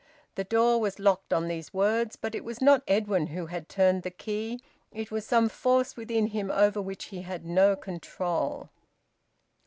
The door was locked on these words, but it was not Edwin who had turned the key; it was some force within him, over which he had no control.